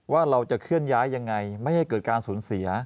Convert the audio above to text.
ว่าเราจะเคลื่อนย้ายยังไงไม่ให้เกิดการสูญเสีย